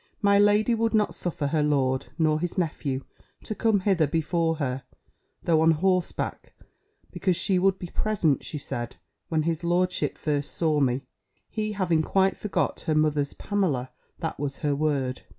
My lady would not suffer her lord, nor his nephew, to come hither before her, though on horseback, because she would be present, she said, when his lordship first saw me, he having quite forgot her mother's Pamela; that was her word.